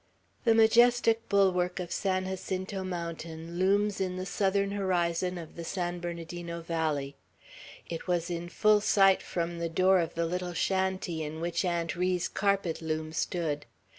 The majestic bulwark of San Jacinto Mountain looms in the southern horizon of the San Bernardino valley. It was in full sight from the door of the little shanty in which Aunt Ri's carpet loom stood.